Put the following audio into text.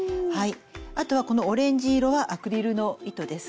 あとはこのオレンジ色はアクリルの糸です。